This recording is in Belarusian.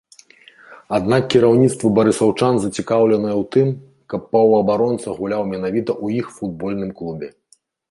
Аднак кіраўніцтва барысаўчан зацікаўленае ў тым, каб паўабаронца гуляў менавіта ў іх футбольным клубе.